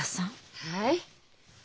はい？